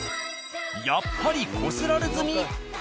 やっぱりこすられ済み。